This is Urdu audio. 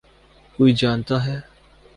کوئی جانتا ہے۔